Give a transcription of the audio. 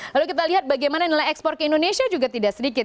lalu kita lihat bagaimana nilai ekspor ke indonesia juga tidak sedikit